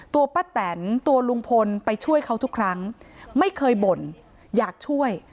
ป้าแตนตัวลุงพลไปช่วยเขาทุกครั้งไม่เคยบ่นอยากช่วย